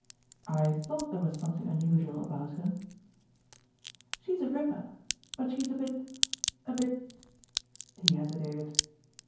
"I thought there was something unusual about her." "She's a ripper; but she's a bit, a bit " He hesi tated.